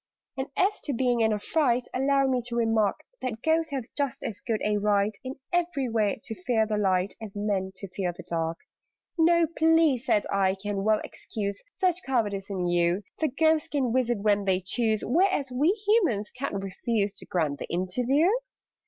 "And as to being in a fright, Allow me to remark That Ghosts have just as good a right, In every way, to fear the light, As Men to fear the dark." "No plea," said I, "can well excuse Such cowardice in you: For Ghosts can visit when they choose, Whereas we Humans ca'n't refuse To grant the interview."